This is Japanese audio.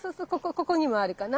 ここにもあるかな。